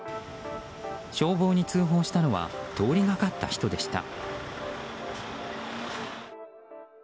消防に通報したのは通りがかった人でした。